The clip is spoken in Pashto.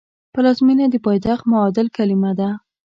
پلازمېنه د پایتخت معادل کلمه ده